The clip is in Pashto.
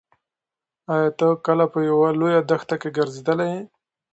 ایا ته کله په یوه لویه دښته کې ګرځېدلی یې؟